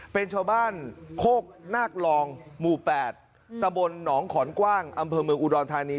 เป็นชาวบ้านโคกนาครองหมู่๘ตะบลหนองขอนกว้างอำเภอเมืองอุดรธานี